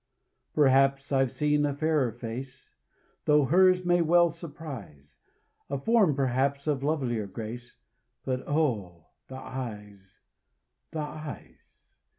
Perhaps I've seen a fairer face, Though hers may well surprise; A form perhaps of lovelier grace, But, oh! the eyes, the eyes!